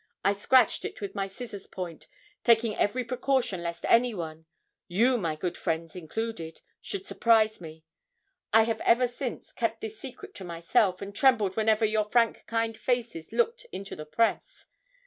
I scratched it with my scissors' point, taking every precaution lest anyone you, my good friends, included should surprise me. I have ever since kept this secret to myself, and trembled whenever your frank kind faces looked into the press.